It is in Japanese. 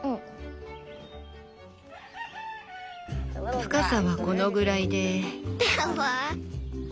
深さはこのぐらいで。